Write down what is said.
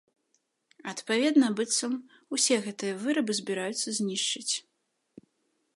Адпаведна, быццам, усе гэтыя вырабы збіраюцца знішчыць.